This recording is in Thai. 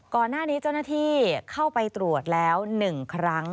ก่อนหน้านี้เจ้าหน้าที่เข้าไปตรวจแล้ว๑ครั้ง